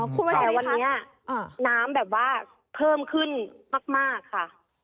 แต่วันนี้น้ำแบบว่าเพิ่มขึ้นมากค่ะ